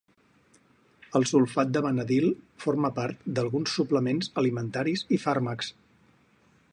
El sulfat de vanadil forma part d'alguns suplements alimentaris i fàrmacs.